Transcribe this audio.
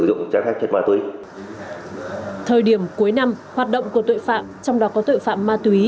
dụng chép phép chép ma túy thời điểm cuối năm hoạt động của tội phạm trong đó có tội phạm ma túy